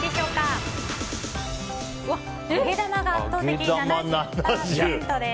揚げ玉が圧倒的、７０％です。